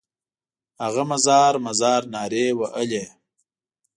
هغه مزار مزار نارې وهلې.